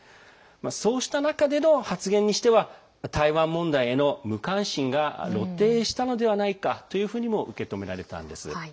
そうした中での発言にしては台湾問題への無関心が露呈したのではないかというふうにも受け止められました。